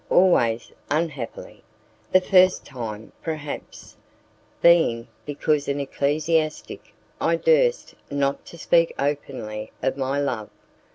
"Always unhappily. The first time, perhaps, because, being an ecclesiastic, I durst not speak openly of my love.